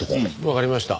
わかりました。